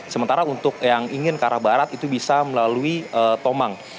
sementara untuk yang ingin ke arah barat itu bisa melalui tomang